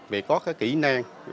về có kỹ năng